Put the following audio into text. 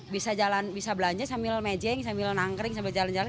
bisa jalan bisa belanja sambil mejeng sambil nangkering sambil jalan jalan